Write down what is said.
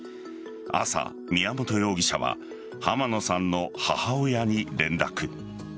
朝、宮本容疑者は濱野さんの母親に連絡。